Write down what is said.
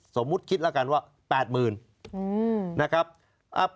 สมมุติคิดแล้วกันว่า๘๐๐๐นะครับ